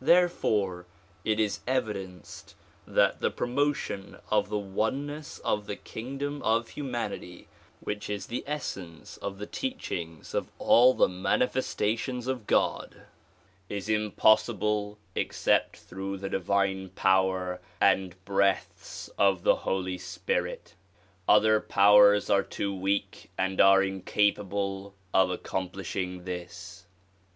Therefore it is evidenced that the promotion of the oneness of the kingdom of humanity which is the essence of the teachings of all the manifestations of God is impossible except through the divine power and breaths of the Holy Spirit. Other powers are too weak and are incapable of accomplishing this.